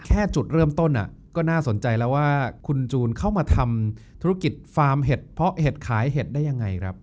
จุดเริ่มต้นก็น่าสนใจแล้วว่าคุณจูนเข้ามาทำธุรกิจฟาร์มเห็ดเพราะเห็ดขายเห็ดได้ยังไงครับ